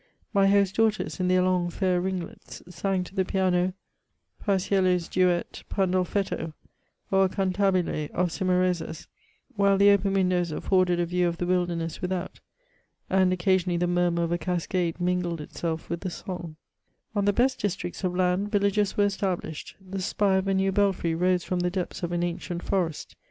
My host's daughters, in their long fair ringlets, sang to the piano Pa^iello's duet ^ Pandolfetto,*' or a eantamle of Cimarosa's, while the open windows afforded a view of the wilderness without, and occasionally the murmur c^ a cascade mingled itself with the song* On the best districts of land, villages were established; the spire of a new belfry rose from the depths of an ancient forest.